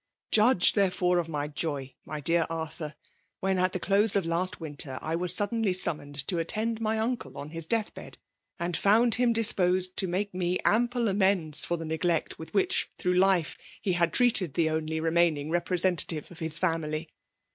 Judge, there fore, of my joy, my dear Arthur, when at the close of last winter, I was suddenly summoned to attend my uncle on his death bed, and Ibund him disposed to make me ample amends for the neglect with which through life he had treated the only remaining representative of his family."